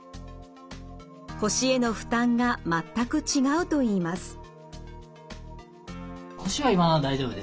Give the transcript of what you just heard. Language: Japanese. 腰への負担が全く違うといいます。